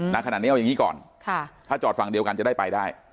ณขนาดนี้เอาอย่างนี้ก่อนถ้าจอดฝั่งเดียวกันจะได้ไปได้